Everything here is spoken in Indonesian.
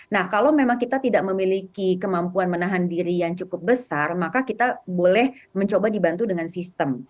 nah kalau memang kita tidak memiliki kemampuan menahan diri yang cukup besar maka kita boleh mencoba dibantu dengan sistem